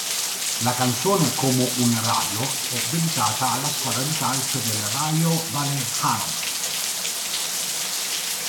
La canzone "Como Un Rayo" è dedicata alla squadra di calcio del Rayo Vallecano.